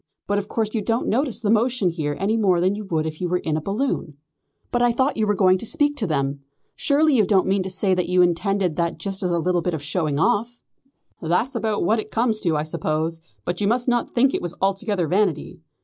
But of course you don't notice the motion here any more than you would if you were in a balloon." "But I thought you were going to speak them. Surely you don't mean to say that you intended that just as a little bit of showing off?" "That's about what it comes to, I suppose, but you must not think it was altogether vanity.